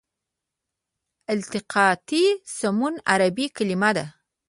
التقاطي سمون عربي کلمه ده.